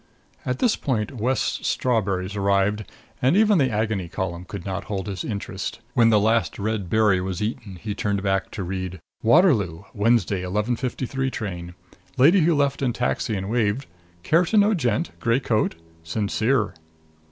At this point West's strawberries arrived and even the Agony Column could not hold his interest. When the last red berry was eaten he turned back to read: WATERLOO: Wed. 11:53 train. Lady who left in taxi and waved, care to know gent, gray coat? SINCERE.